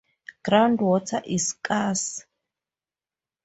Ground water is scarce.